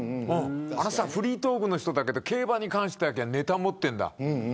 フリートークの人だけど競馬に関してはネタ持っているんだ。